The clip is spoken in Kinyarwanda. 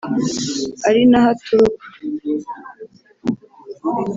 ari naho aturuka